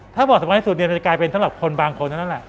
ถ้าเหมาะสำคัญที่สุดเนี่ยมันจะกลายเป็นสำหรับคนบางคนเท่านั้นแหละ